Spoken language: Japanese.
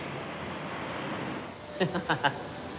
ハハハハ。